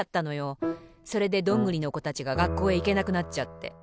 それでどんぐりのこたちががっこうへいけなくなっちゃって。